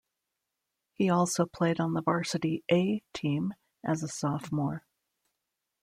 He also played on the Varsity "A" team as a sophomore.